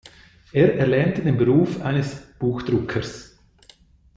Er erlernte den Beruf eines Buchdruckers.